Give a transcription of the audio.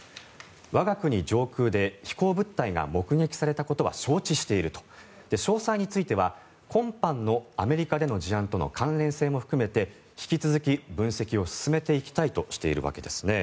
我が国上空で飛行物体が目撃されたことは承知している詳細については今般のアメリカでの事案との関連性も含めて引き続き分析を進めていきたいとしているわけです。